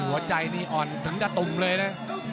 หัวใจนี่อ่อนถึงตะตุ่มเลยนะ